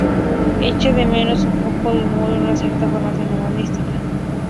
Echa de menos un poco de humor y una cierta formación humanística.